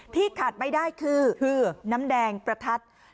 ขาดไม่ได้คือน้ำแดงประทัด